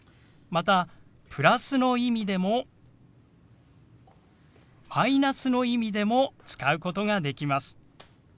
またプラスの意味でもマイナスの意味でも使うことができます。